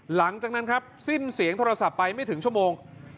หลังจากนั้นครับสิ้นเสียงโทรศัพท์ไปไม่ถึงชั่วโมง